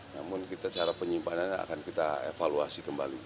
namun kita cara penyimpanannya akan kita evaluasi kembali